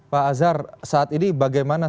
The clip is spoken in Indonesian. pak azhar saat ini bagaimana